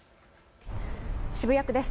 渋谷区です。